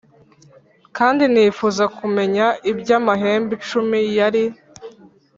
Kandi nifuza kumenya iby amahembe cumi yari